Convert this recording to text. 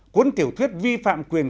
cuốn tiểu thuyết vi phạm quyền